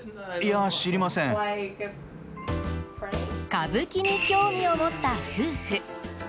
歌舞伎に興味を持った夫婦。